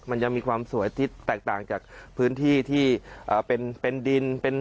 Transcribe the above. มันยังมีความสวยที่แตกต่างจากพื้นที่ที่เป็นดินเป็น